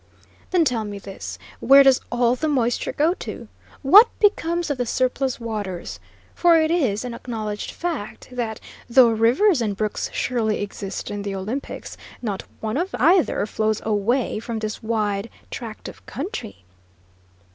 "Then tell me this: where does all the moisture go to? What becomes of the surplus waters? For it is an acknowledged fact that, though rivers and brooks surely exist in the Olympics, not one of either flows away from this wide tract of country!"